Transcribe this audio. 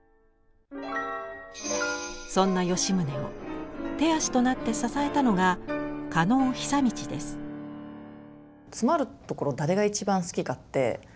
そんな吉宗を手足となって支えたのがつまるところ誰が一番好きかって